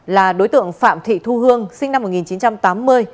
là đối tượng phạm thị thu hương sinh năm một nghìn chín trăm tám mươi